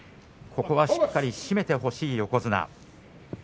ここはしっかり締めてほしい横綱。